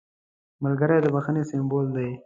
ملګری د بښنې سمبول دی